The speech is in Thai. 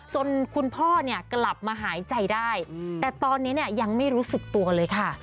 จนคุณพ่อเนี่ยกลับมาหายใจได้แต่ตอนนี้เนี่ยยังไม่รู้สึกตัวเลยค่ะ